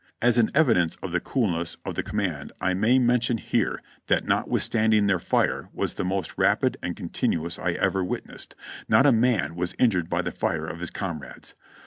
As an evidence of the coolness of the command I may mention here that notwithstanding their fire was the most rapid and con tinuous I ever witnessed, not a man was injured by the fire of his comrades.